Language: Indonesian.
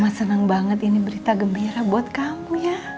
mas senang banget ini berita gembira buat kamu ya